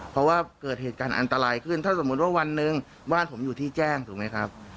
เพราะว่าเกิดเหตุการณ์อันตรายขึ้นถ้าสมมุติว่าวันหนึ่งบ้านผมอยู่ที่แจ้งถูกไหมครับ